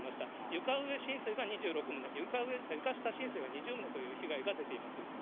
床上浸水が２６棟、床下浸水が２０棟という被害が出ています。